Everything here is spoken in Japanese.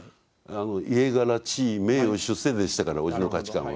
家柄地位名誉出世でしたからおじの価値観は。